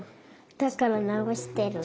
だからなおしてるの？